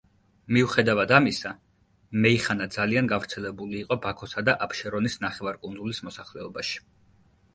მიუხედავად ამისა, მეიხანა ძალიან გავრცელებული იყო ბაქოსა და აფშერონის ნახევარკუნძულის მოსახლეობაში.